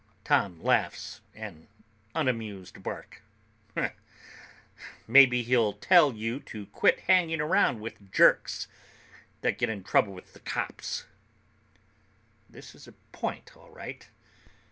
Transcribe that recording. Tom laughs, an unamused bark. "Maybe he'll tell you to quit hanging around with jerks that get in trouble with the cops." This is a point, all right.